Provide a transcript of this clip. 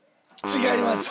違います。